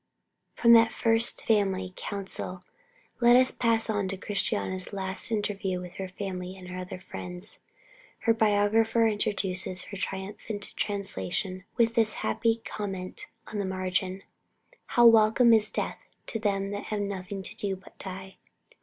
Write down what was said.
From that first family council let us pass on to Christiana's last interview with her family and her other friends. Her biographer introduces her triumphant translation with this happy comment on the margin: "How welcome is death to them that have nothing to do but die!"